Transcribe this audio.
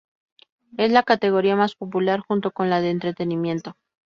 Es la categoría más popular junto con la de entretenimiento.